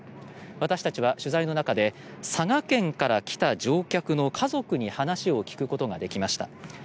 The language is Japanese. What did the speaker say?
私たちは取材の中で佐賀県から来た乗客の家族に話を聞くことができました。